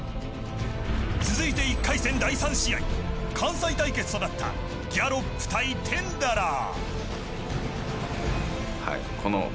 続いて１回戦第３試合関西対決となったギャロップ対テンダラー。